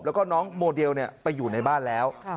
แล้วก็น้องโมเดลไปอยู่ในบ้านแล้ว